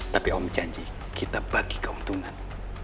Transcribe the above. tapi om janji kita bagi keuntungan